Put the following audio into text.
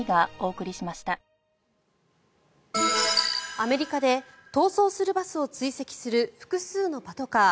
アメリカで逃走するバスを追跡する複数のパトカー。